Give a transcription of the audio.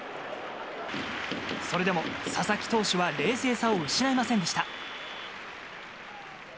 それでも、佐々木投手は冷静さを失いませんでした。